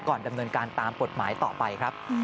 ก่อนดำเนินการตามปลอดภัยต่อไปครับ